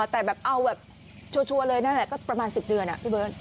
แต่แบบเอาแบบชัวร์เลยนั่นแหละก็ประมาณ๑๐เดือนพี่เบิร์ต